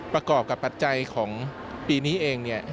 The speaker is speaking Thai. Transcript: ประกอบกับปัจจัยของปีนี้เองเนี่ย